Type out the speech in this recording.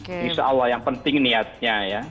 ini seawal yang penting niatnya ya